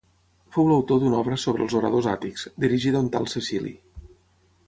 Fou l'autor d'una obra sobre els oradors àtics, dirigida a un tal Cecili.